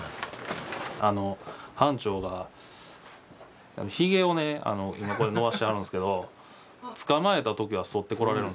あの班長がヒゲを伸ばしてはるんですけど捕まえた時は剃ってこられるんですよ。